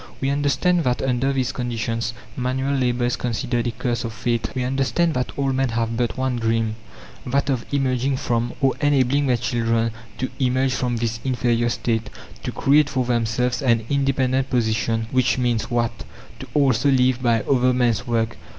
We understand that under these conditions manual labour is considered a curse of fate. We understand that all men have but one dream that of emerging from, or enabling their children to emerge from this inferior state; to create for themselves an "independent" position, which means what? To also live by other men's work!